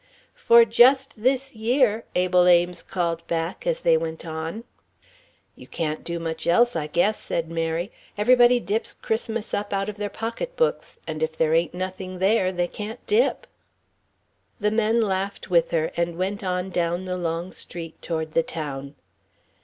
"For just this year!" Abel Ames called back, as they went on. "You can't do much else, I guess," said Mary. "Everybody dips Christmas up out of their pocketbooks, and if there ain't nothing there, they can't dip." The men laughed with her, and went on down the long street toward the town.